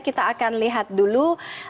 kita akan lihat dulu